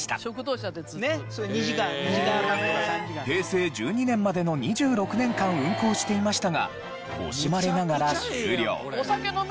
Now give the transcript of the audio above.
平成１２年までの２６年間運行していましたが惜しまれながら終了。